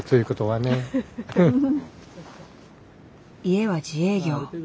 家は自営業。